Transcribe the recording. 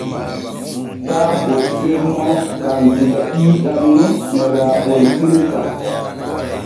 Taa bonpen mo gam diga ƴiiƴan nun ne raaɓontirta.